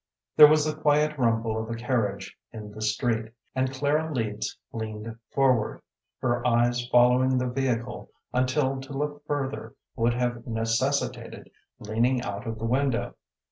There was the quiet rumble of a carriage in the street, and Clara Leeds leaned forward, her eyes following the vehicle until to look further would have necessitated leaning out of the window.